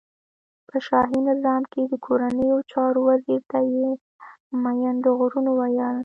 په شاهی نظام کی د کورنیو چارو وزیر ته یی مین د غرونو ویل.